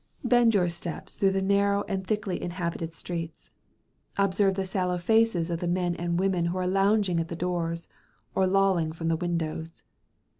Bend your steps through the narrow and thickly inhabited streets, and observe the sallow faces of the men and women who are lounging at the doors, or lolling from the windows.